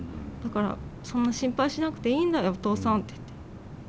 「だからそんな心配しなくていいんだよお父さん」って言って。